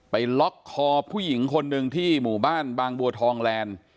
ล็อกคอผู้หญิงคนหนึ่งที่หมู่บ้านบางบัวทองแลนด์